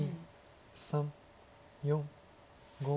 ３４５。